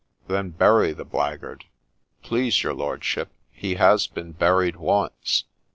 ' Then bury the blackguard !'' Please your lordship, he has been buried once.'